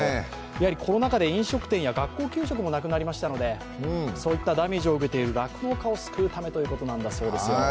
コロナ禍で飲食店や学校給食もなりましたのでそういったダメージを受けている酪農家を救うためということなんだそうです。